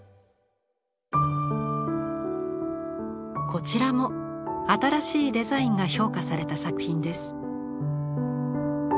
こちらも新しいデザインが評価された作品です。